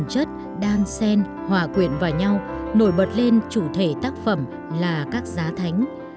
tương chất đan sen hòa quyển vào nhau nổi bật lên chủ thể tác phẩm là các giá thánh